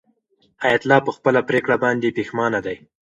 حیات الله په خپله پرېکړه باندې پښېمانه دی.